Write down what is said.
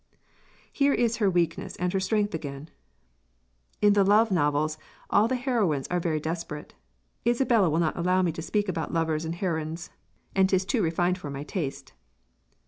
Here is her weakness and her strength again: "In the love novels all the heroines are very desperate. Isabella will not allow me to speak about lovers and heroins, and 'tis too refined for my taste."